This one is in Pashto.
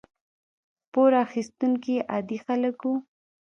پور اخیستونکي عادي خلک وو.